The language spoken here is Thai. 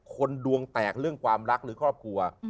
ดวงแตกเรื่องความรักหรือครอบครัว